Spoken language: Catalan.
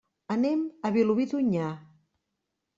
Anem a Vilobí d'Onyar.